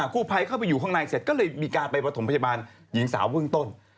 กู้ภัยเข้าไปอยู่ข้างในเสร็จก็เลยมีการไปประถมพยาบาลหญิงสาวเบื้องต้น